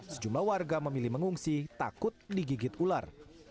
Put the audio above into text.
sejumlah warga memilih mengungsi takut digigit ular